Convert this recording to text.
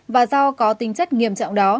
và do có tính chất nghiêm trọng đó